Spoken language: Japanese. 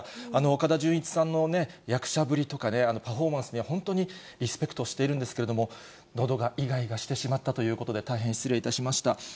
岡田准一さんの役者ぶりとかね、パフォーマンスには本当にリスペクトしているんですけれども、のどがいがいがしてしまったということで、大変失礼いたしました。